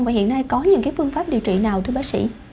và hiện nay có những phương pháp điều trị nào thưa bác sĩ